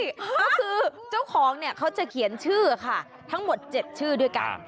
ก็คือเจ้าของเนี่ยเขาจะเขียนชื่อค่ะทั้งหมด๗ชื่อด้วยกัน